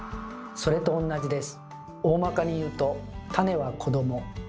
それと同じです。